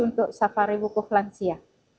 untuk safari wukuf lansia